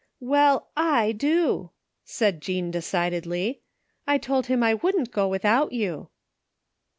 " Well, / do," said Jean decidedly. " I told him I wouldn't go without you."